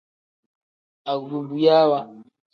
Agubuyaawa.